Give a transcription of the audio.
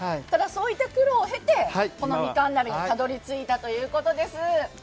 ただ、そういった苦労を経てみかん鍋にたどり着いたということです。